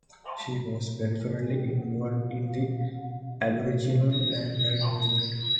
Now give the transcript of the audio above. She was peripherally involved in the Aboriginal Land Rights movement.